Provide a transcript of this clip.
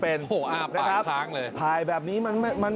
โอ้โฮอ้าวปากทั้งเลยนะครับถ่ายแบบนี้มัน